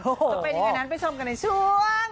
จะไปด้วยกันนั้นไปชมกันในช่วง